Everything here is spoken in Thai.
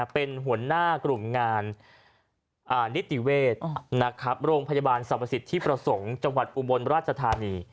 เป็นหัวหน้ากลุ่มงานนิติเวชโรงพยาบาลสรรพสิทธิประสงค์จังหวัดอุบลราชธานี